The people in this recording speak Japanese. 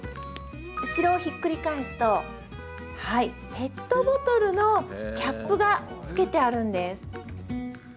後ろをひっくり返すとペットボトルのキャップが付けてあるんです。